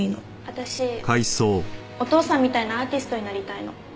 私お父さんみたいなアーティストになりたいの。